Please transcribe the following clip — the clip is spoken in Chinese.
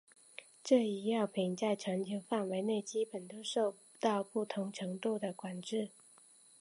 这一药品在全球范围内基本都受到不同程度的管制。